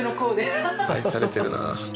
愛されてるな